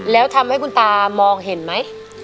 แล้วทำให้คุณตามองเห็นไหม